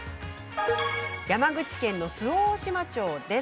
山口県周防大島町です。